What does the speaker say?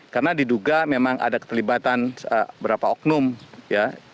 karena diduga memang ada keterlibatan beberapa oknum ya